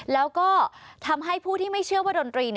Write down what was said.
แล้วก็ทำให้ผู้ที่ไม่เชื่อว่าดนตรี